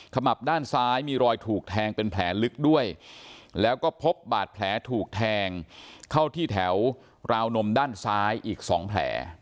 มับด้านซ้ายมีรอยถูกแทงเป็นแผลลึกด้วยแล้วก็พบบาดแผลถูกแทงเข้าที่แถวราวนมด้านซ้ายอีก๒แผล